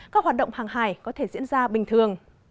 các hoạt động hàng hải có thể diễn ra bình thường